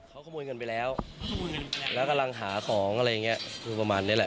เขาขโมยเงินไปแล้วแล้วกำลังหาของอะไรอย่างเงี้ยคือประมาณนี้แหละ